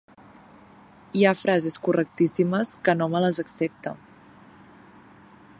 hi ha frases correctíssimes que no me les accepta